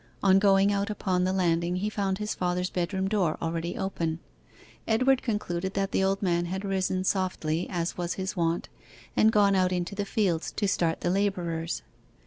On going out upon the landing he found his father's bedroom door already open. Edward concluded that the old man had risen softly, as was his wont, and gone out into the fields to start the labourers.